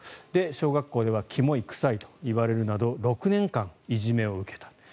小学校ではキモい、臭いといわれるなど６年間、いじめを受けた。